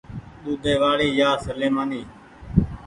ۮودي وآڙي يا سليمآني